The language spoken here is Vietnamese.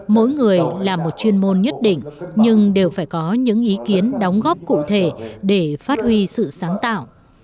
mỗi người là một chuyên môn nhất định nhưng đều phải có những ý kiến đóng góp cụ thể để phát huy sự sáng tạo